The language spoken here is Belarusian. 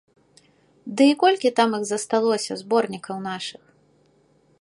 Ды і колькі там іх засталося, зборнікаў нашых?